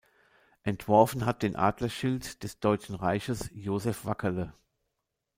Entworfen hat den Adlerschild des Deutschen Reiches Josef Wackerle.